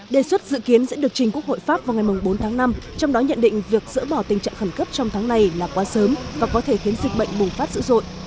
đề xuất dự kiến sẽ được trình quốc hội pháp vào ngày bốn tháng năm trong đó nhận định việc dỡ bỏ tình trạng khẩn cấp trong tháng này là quá sớm và có thể khiến dịch bệnh bùng phát dữ dội